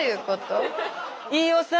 飯尾さん。